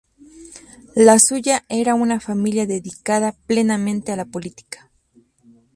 La suya era una familia dedicada plenamente a la política.